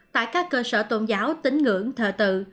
tại các cơ sở tôn giáo tính ngưỡng thờ tự